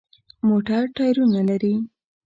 موټر ټایرونه لري.